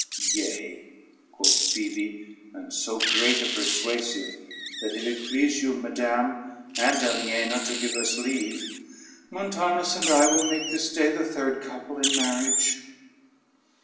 "Yea," quoth Phoebe, "and so great a persuasive, that if it please you, madame, and Aliena to give us leave, Montanus and I will make this day the third couple in marriage."